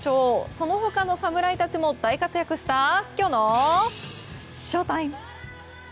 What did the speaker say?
その他の侍たちも大活躍したきょうのＳＨＯＴＩＭＥ！